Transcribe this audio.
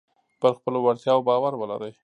پر خپلو وړتیاو باور ولرئ.